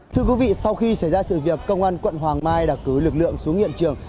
thưa quý vị sau khi xảy ra sự việc công an quận hoàng mai đã cử lực lượng xuống hiện trường